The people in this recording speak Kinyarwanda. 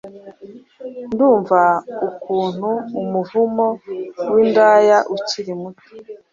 ndumva Ukuntu umuvumo w'indaya ukiri muto